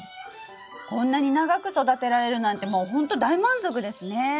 こんなに長く育てられるなんてもうほんと大満足ですね。